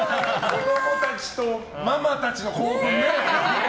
子供たちとママたちの興奮ね。